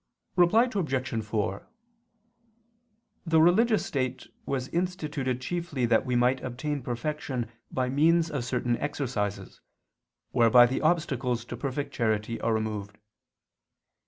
Reply Obj. 4: The religious state was instituted chiefly that we might obtain perfection by means of certain exercises, whereby the obstacles to perfect charity are removed.